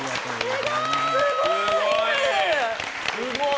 すごい！